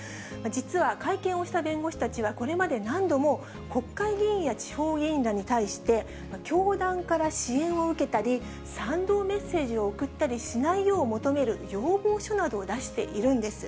実は会見をした弁護士たちは、これまで何度も国会議員や地方議員らに対して、教団から支援を受けたり、賛同メッセージを送ったりしないよう求める要望書などを出しているんです。